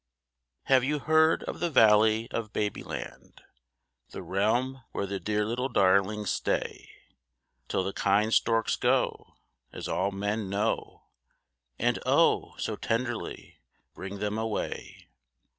Have you heard of the Valley of Babyland, The realm where the dear little darlings stay, Till the kind storks go, as all men know, And, oh, so tenderly bring them away?